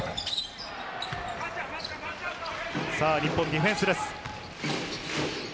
日本、ディフェンスです。